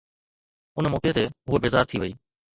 ان موقعي تي هوءَ بيزار ٿي وئي